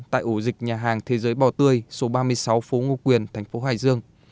tại ổ dịch nhà hàng thế giới bò tươi số ba mươi sáu phố ngô quyền tp hải dương